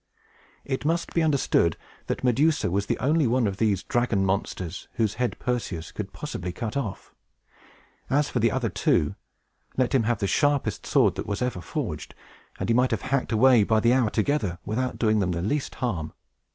It must be understood that Medusa was the only one of these dragon monsters whose head Perseus could possibly cut off. As for the other two, let him have the sharpest sword that ever was forged, and he might have hacked away by the hour together, without doing them the least harm.